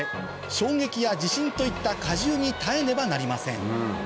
衝撃や地震といった荷重に耐えねばなりません